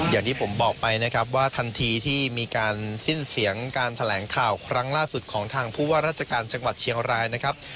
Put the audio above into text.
อย่างที่ผมบอกไปนะครับว่าทันทีที่มีการสิ้นเสียงการแถลงข่าวครั้งล่าสุดของทางผู้ว่าราชการจังหวัดเชียงรายนะครับ